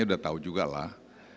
sudah tahu juga lah